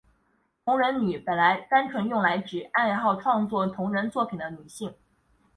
同人女本来单纯用来指爱好创作同人作品的女性。